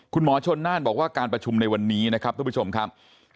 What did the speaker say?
คุณหมอชนน่านบอกว่าการประชุมในวันนี้นะครับทุกผู้ชมครับ